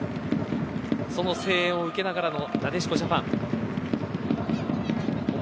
その声援を受けながらのなでしこジャパン。